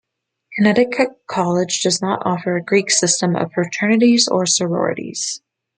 Connecticut College does not offer a Greek system of fraternities or sororities.